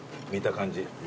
見た感じ。